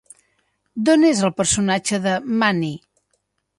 D'on és el personatge de Máni?